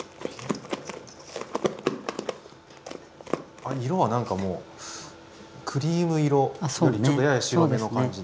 あ色は何かもうクリーム色よりちょっとやや白めの感じで。